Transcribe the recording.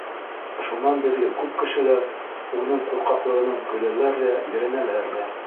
Шунан бирле күп кешеләр уның ҡурҡаҡлығынан көләләр ҙә, ерәнәләр ҙә.